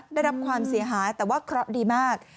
ได้รับความเสียหายแต่ว่าเคราะห์ดีมาก